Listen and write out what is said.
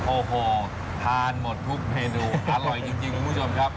โอ้โหทานหมดทุกเมนูอร่อยจริงคุณผู้ชมครับ